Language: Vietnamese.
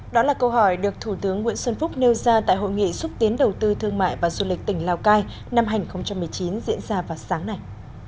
đó là câu hỏi được thủ tướng nguyễn xuân phúc nêu ra tại hội nghị xúc tiến đầu tư thương mại và du lịch tỉnh lào cai năm hai nghìn một mươi chín diễn ra vào sáng nay